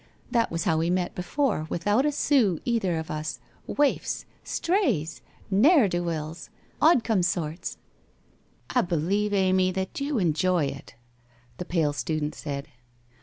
That was how we met before, without a sou, either of us. Waifs! Strays! Ne'er do weels! Odd come shorts !'' I believe, Amy, that you enjoy it/ the pale student said.